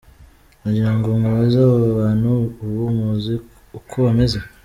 Nagira ngo nkubaze, aba bantu ubu muzi uko bameze ?